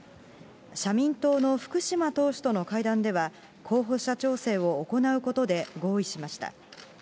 社民党の福島党首との会談では、候補者調整を行うことで合意しました。